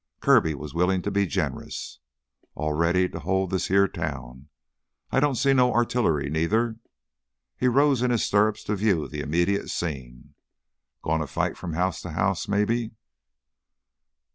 Kirby was willing to be generous. "All ready to hold this heah town. I don't see no artillery neither." He rose in his stirrups to view the immediate scene. "Goin' to fight from house to house maybe